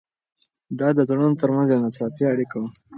دا د زړونو تر منځ یوه ناڅاپي اړیکه وه.